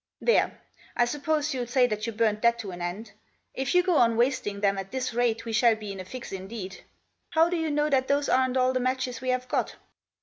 " There ! I suppose you'll say that you burned that to an end. If you go on wasting them at this rate we shall be in a fix indeed. How do you know that those aren't all the matches we have got